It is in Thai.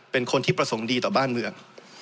เป็นคนที่ประสงค์ดีต่อบ้านเมือง